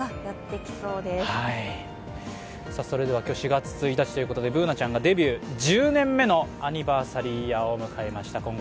今日４月１日ということで、Ｂｏｏｎａちゃんがデビュー１０年目のアニバーサリーイヤーを迎えました。